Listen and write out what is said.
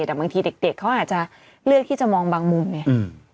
แต่บางทีเด็กเขาอาจจะเลือกที่จะมองบางมุมไง